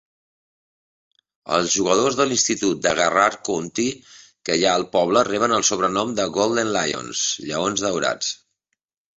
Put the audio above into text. Els jugadors de l'institut de Garrard County que hi ha al poble reben el sobrenom de "Golden Lions" (lleons daurats).